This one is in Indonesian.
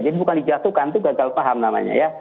jadi bukan dijatuhkan itu gagal paham namanya ya